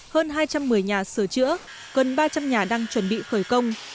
hơn hai trăm một mươi nhà sửa chữa gần ba trăm linh nhà đang chuẩn bị khởi công